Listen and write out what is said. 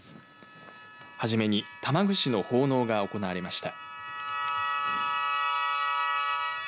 はじめに玉串の奉納が行われました。